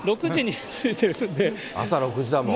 朝６時だもん。